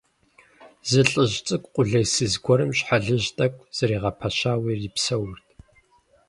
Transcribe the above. Зы ЛӀыжь цӀыкӀу къулейсыз гуэрым щхьэлыжь тӀэкӀу зэригъэпэщауэ ирипсэурт.